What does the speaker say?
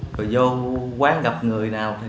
rồi vô quán gặp người nào